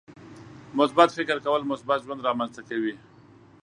• مثبت فکر کول، مثبت ژوند رامنځته کوي.